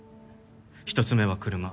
１つ目は車。